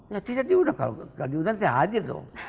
ya tidak diundang kalau tidak diundang saya hadir